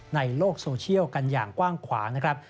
ในโลกโซเชียลกันอย่างกว้างขวางนะครับ